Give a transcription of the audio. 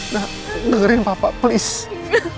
nenggerin papa please